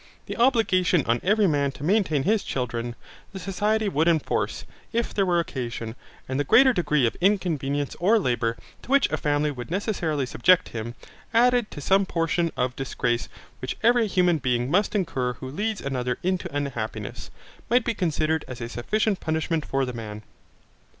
The obligation on every man to maintain his children, the society would enforce, if there were occasion; and the greater degree of inconvenience or labour, to which a family would necessarily subject him, added to some portion of disgrace which every human being must incur who leads another into unhappiness, might be considered as a sufficient punishment for the man.